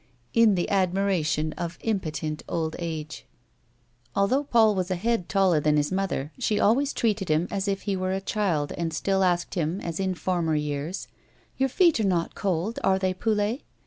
in the admiration of im potent old age. Although Paul was a head taller than his mother, she always treated him as if he were a child and still asked him, as in former years :" Your feet are not cold, are they, Poulet